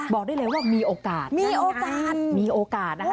บอกได้เลยว่ามีโอกาสมีโอกาสนะคะ